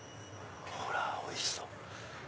ほらおいしそう。